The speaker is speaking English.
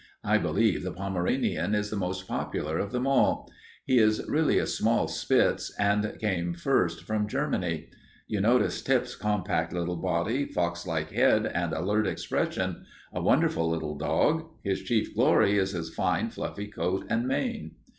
I believe the Pomeranian is the most popular of them all. He is really a small spitz and came first from Germany. You noticed Tip's compact little body, fox like head, and alert expression. A wonderful little dog. His chief glory is his fine, fluffy coat and mane.